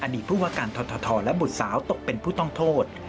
อดีต์ผู้ว่าการทอดและบุษาวตกเป็นผู้ต้องโทษ